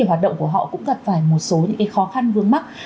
hoạt động của họ cũng gặp phải một số khó khăn vương mắc